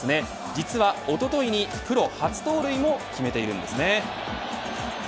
実は、おとといにプロ初盗塁も決めているんですね。